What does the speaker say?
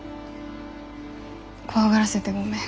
怖がらせてごめん。